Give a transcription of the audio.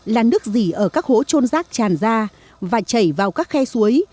làn nước dì ở các hố trôn rác tràn ra và chảy vào các khe suối